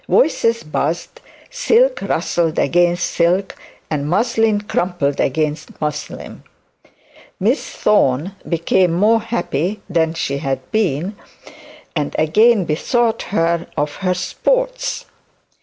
Voices buzzed, silk rustled against silk, and muslin crumpled against muslin. Miss Thorne became more happy than she had been, and again bethought her of her sports.